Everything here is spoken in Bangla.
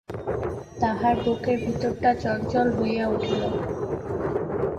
তাহার বুকের ভিতরটা চঞ্চল হইয়া উঠিল।